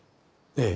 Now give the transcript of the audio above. ええ。